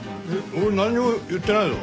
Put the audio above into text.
俺なんにも言ってないぞ。